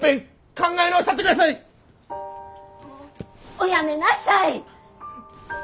おやめなさい！